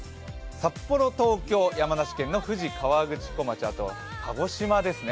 札幌、東京、山梨県の富士河口湖町、そして鹿児島ですね。